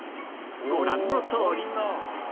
［ご覧のとおり］